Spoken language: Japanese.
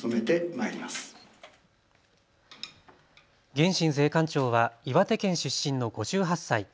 源新税関長は岩手県出身の５８歳。